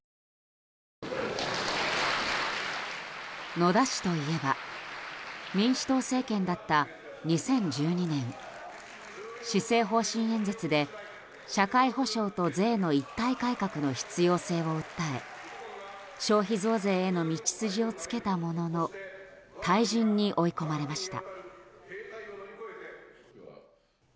野田氏といえば民主党政権だった２０１２年施政方針演説で社会保障と税の一体改革の必要性を訴え消費増税への道筋をつけたものの退陣に追い込まれました。